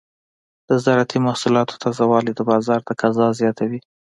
د زراعتي محصولاتو تازه والي د بازار تقاضا زیاتوي.